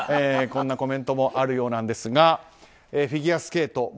こんなコメントもあるようなんですがフィギュアスケート